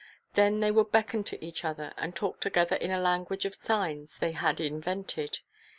Then they would beckon to each other and talk together in a language of signs they had invented.